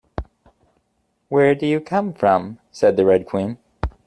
‘Where do you come from?’ said the Red Queen.